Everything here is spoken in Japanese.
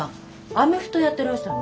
アメフトやってらしたの？